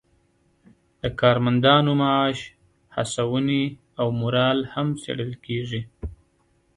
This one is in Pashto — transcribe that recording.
د کارمندانو معاش، هڅونې او مورال هم څیړل کیږي.